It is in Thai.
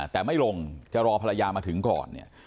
แต่ไม่ลงจะรอภรรยามาถึงก่อนเนี่ย